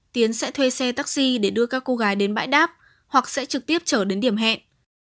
tiến sẽ thuê xe taxi để đưa các cô gái đến bãi đáp hoặc sẽ trực tiếp trở đến điểm hẹn